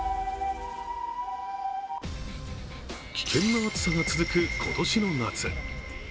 危険な暑さが続く、今年の夏。